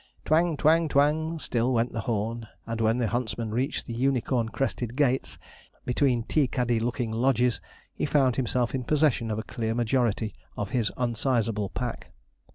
Twang, twang, twang, still went the horn; and when the huntsman reached the unicorn crested gates, between tea caddy looking lodges, he found himself in possession of a clear majority of his unsizable pack.